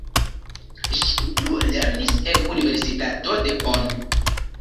Ŝi plulernis en universitato de Bonn.